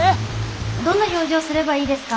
どんな表情すればいいですか？